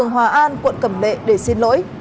hòa an quận cẩm lệ để xin lỗi